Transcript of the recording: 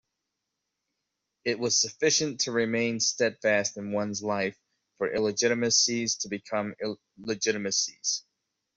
It was sufficient to remain steadfast in one's life for illegitimacies to become legitimacies.